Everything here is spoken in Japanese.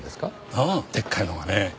ああでっかいのがね。